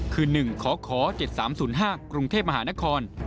คือ๑ข๗๓๐๕กรุงเทพมหานคร